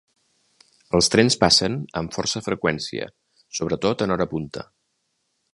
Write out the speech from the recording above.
Els trens passen amb força freqüència, sobretot en hora punta.